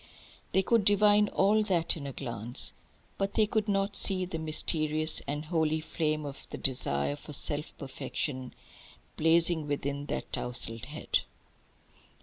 They could divine all that in a glance. But they could not see the mysterious and holy flame of the desire for self perfection blazing within that tousled head.